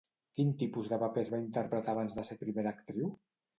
Quin tipus de papers va interpretar abans de ser primera actriu?